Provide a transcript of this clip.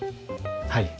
はい。